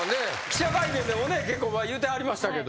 記者会見でもね結構言うてはりましたけど。